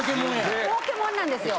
儲けもんなんですよ。